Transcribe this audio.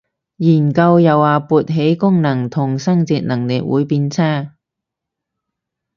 研究又話勃起功能同生殖能力會變差